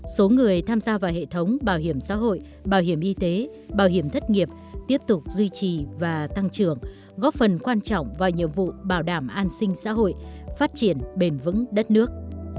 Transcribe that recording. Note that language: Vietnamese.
số người tham gia vào hệ thống bảo hiểm xã hội bảo hiểm y tế bảo hiểm thất nghiệp tiếp tục duy trì và tăng trưởng góp phần quan trọng vào nhiệm vụ bảo đảm an sinh xã hội phát triển bền vững đất nước